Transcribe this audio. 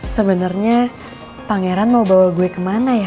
sebenarnya pangeran mau bawa gue kemana ya